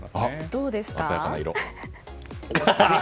どうですか？